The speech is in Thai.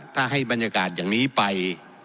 ถ้าให้บรรยากาศอย่างนี้ไป